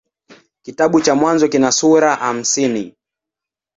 Kitabu cha Mwanzo kina sura hamsini.